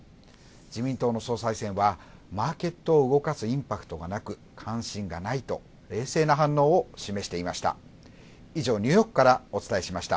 自民党の総裁選はマーケットを動かすインパクトがなく、関心がないと、冷静な反応を示していました。